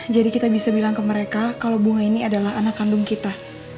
jadi kita bisa bilang ke mereka kalau bunga ini adalah anak kandung kita